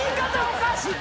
おかしい。